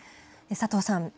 佐藤さん。